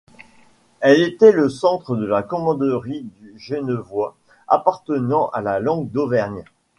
Elle était le centre de la commanderie du Genevois, appartenant à la langue d'Auvergne.